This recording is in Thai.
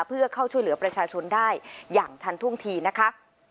เพื่อเข้าช่วยเหลือประชาชนได้อย่างทันท่วงทีนะคะ